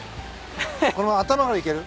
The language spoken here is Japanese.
この頭からいける？